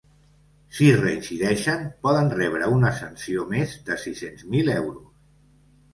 Si reincideixen, poden rebre una sanció més de sis-cents mil euros.